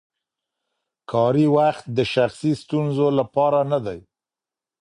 کاري وخت د شخصي ستونزو لپاره نه دی.